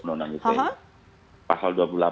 undang undang ite mbak